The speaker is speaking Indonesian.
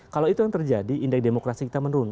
kalau itu yang terjadi indeks demokrasi kita menurun